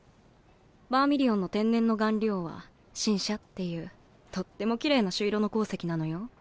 バーミリオンの天然の顔料は辰砂っていうとってもきれいな朱色の鉱石なのよ。